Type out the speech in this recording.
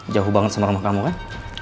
jauh banget sama rumah kamu kan